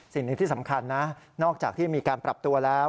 สิ่งหนึ่งที่สำคัญนะนอกจากที่มีการปรับตัวแล้ว